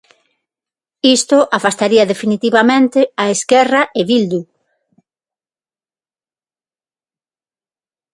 Isto afastaría definitivamente a Esquerra e Bildu.